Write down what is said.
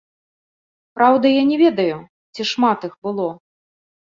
Праўда, я не ведаю, ці шмат іх было.